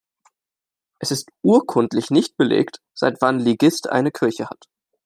Es ist urkundlich nicht belegt, seit wann Ligist eine Kirche hat.